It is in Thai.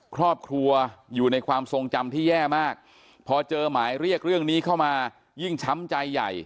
ครอบครัวอยู่ในความทรงจำที่แย่มากพอเจอหมายเรียกเรื่องนี้เข้ามายิ่งช้ำใจใหญ่